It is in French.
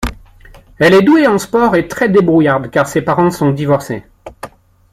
Elle est douée en sport et très débrouillarde car ses parents sont divorcés.